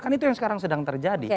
kan itu yang sekarang sedang terjadi